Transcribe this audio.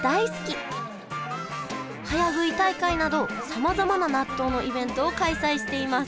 早食い大会などさまざまな納豆のイベントを開催しています